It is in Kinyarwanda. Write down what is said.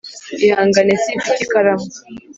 ihangane, simfite ikaramu.